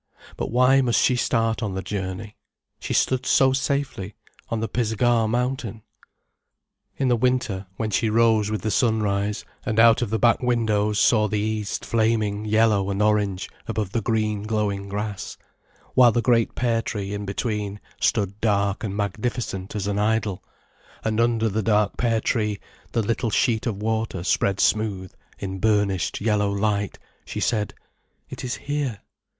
But why must she start on the journey? She stood so safely on the Pisgah mountain. In the winter, when she rose with the sunrise, and out of the back windows saw the east flaming yellow and orange above the green, glowing grass, while the great pear tree in between stood dark and magnificent as an idol, and under the dark pear tree, the little sheet of water spread smooth in burnished, yellow light, she said, "It is here".